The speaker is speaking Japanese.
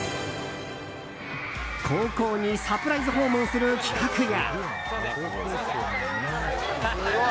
高校にサプライズ訪問する企画や。